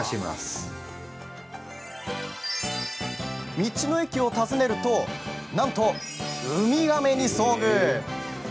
道の駅を訪ねるとなんとウミガメに遭遇！